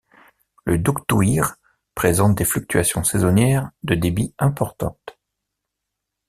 Le Douctouyre présente des fluctuations saisonnières de débit importantes.